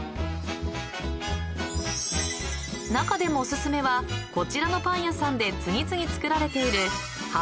［中でもお薦めはこちらのパン屋さんで次々作られている］